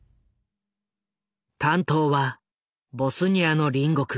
担当はボスニアの隣国